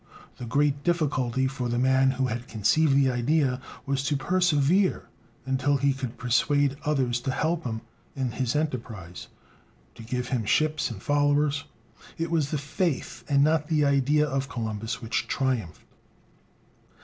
The great difficulty, for the man who had conceived the idea, was to persevere until he could persuade others to help him in his enterprise, to give him ships and followers. It was the faith and not the idea of Columbus which triumphed.